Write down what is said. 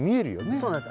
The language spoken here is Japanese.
そうなんですよ。